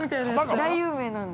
◆大有名なんだ。